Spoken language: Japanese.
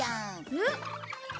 えっ？